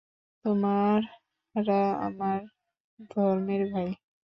তোমরা আমার ধর্মের ভাই।